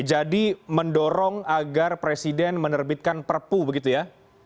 jadi mendorong agar presiden menerbitkan perpu begitu ya